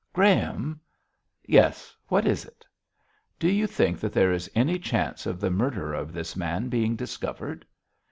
'Graham!' 'Yes, what is it?' 'Do you think that there is any chance of the murderer of this man being discovered?'